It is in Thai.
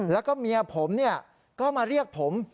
แล้วก็เมียผมก็มาเรียกผม